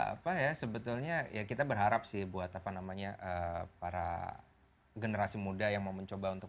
apa ya sebetulnya ya kita berharap sih buat apa namanya para generasi muda yang mau mencoba untuk